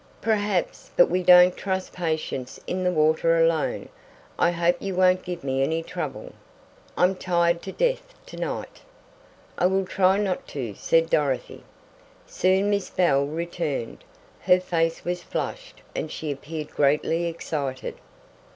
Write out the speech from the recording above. "Perhaps; but we don't trust patients in the water alone. I hope you won't give me any trouble. I'm tired to death to night." "I will try not to," said Dorothy. Soon Miss Bell returned. Her face was flushed and she appeared greatly excited.